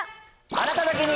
あなただけに！